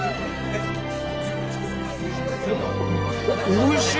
おいしい！